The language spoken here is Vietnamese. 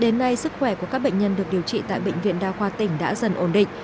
đến nay sức khỏe của các bệnh nhân được điều trị tại bệnh viện đa khoa tỉnh đã dần ổn định